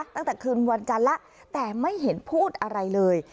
ตั้งแต่คืนวันจันทร์แล้วแต่ไม่เห็นพูดอะไรเลย